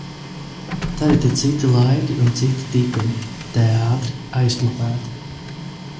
Tagad ir citi laiki un citi tikumi – teātri aizklapēti.